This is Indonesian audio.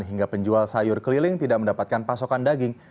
hingga penjual sayur keliling tidak mendapatkan pasokan daging